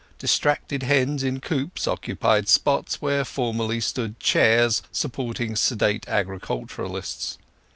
Distracted hens in coops occupied spots where formerly stood chairs supporting sedate agriculturists.